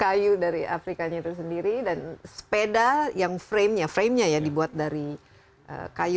kayu dari afrika itu sendiri dan sepeda yang framenya dibuat dari kayu